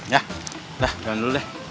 ya dah jalan dulu deh